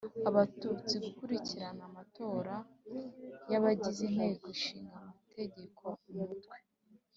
Abatutsi gukurikirana amatora y abagize Inteko Ishinga Amategeko Umutwe